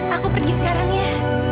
aku pergi sekarang ya